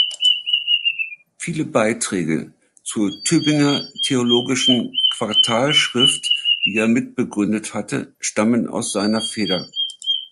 Viele Beiträge zur Tübinger Theologischen Quartalschrift, die er mitbegründet hatte, stammen aus seiner Feder.